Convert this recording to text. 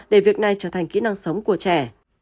để việc này trở thành kỹ năng sống của trẻ